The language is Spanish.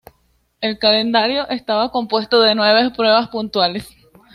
El calendario estaba compuesto de nueve pruebas puntuables.